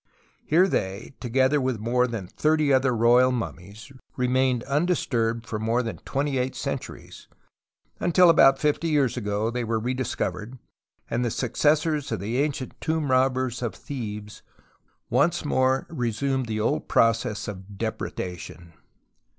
Here they, together with more than thirty other royal mummies, re mained undisturbed for more than twenty eight centuries, until about fifty years ago they were rediscovered, and the successors of THE VALLEY OF THE TOMBS 79 the ancient tomb robbers of Thebes once more resumed the old process of depredation.